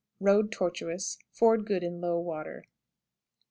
Road tortuous; ford good in low water.